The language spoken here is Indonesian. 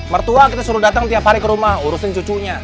mertua kita suruh datang tiap hari ke rumah urusin cucunya